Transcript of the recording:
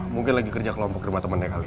mungkin lagi kerja kelompok rumah temannya kali